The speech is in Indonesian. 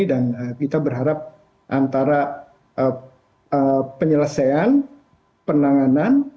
dan kita berharap antara penyelesaian penanganan